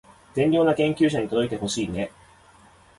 善良な研究者に届いてほしいねー